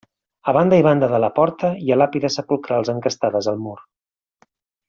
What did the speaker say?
A banda i banda de la porta hi ha làpides sepulcrals encastades al mur.